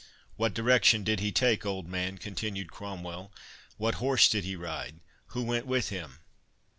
—What direction did he take, old man?" continued Cromwell—"what horse did he ride—who went with him?"